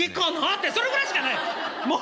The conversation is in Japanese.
ってそれぐらいしかない。